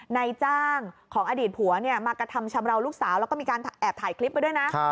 นายจ้างของอดีตผัวมากระทำชำราวลูกสาวแล้วก็มีการแอบถ่ายคลิปไว้ด้วยนะ